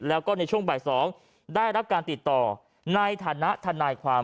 แล้วก็ในช่วงบ่าย๒ได้รับการติดต่อในฐานะทนายความ